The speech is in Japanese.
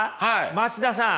松田さん。